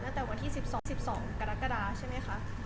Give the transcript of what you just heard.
ตั้งแต่วันที่๑๒๑๒กรกฎาใช่ไหมคะ